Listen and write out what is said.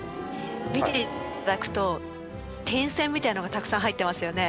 見て頂くと点線みたいなのがたくさん入ってますよね。